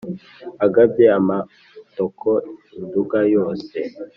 Agabye amatoko i Nduga yose